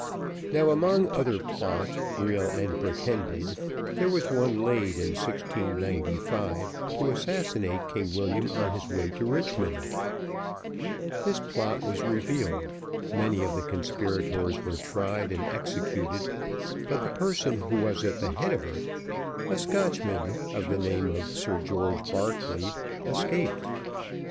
Now, among other plots real and pretended, there was one laid in 1695, to assassinate King William on his way to Richmond; this plot was revealed, many of the conspirators were tried and executed, but the person who was at the head of it, a Scotchman, of the name of Sir George Barclay, escaped.